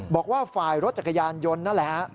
บอกว่าฝ่ายรถจักรยานยนต์นั่นแหละฮะ